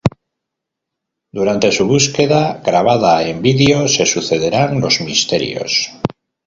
Durante su búsqueda, grabada en vídeo, se sucederán los misterios.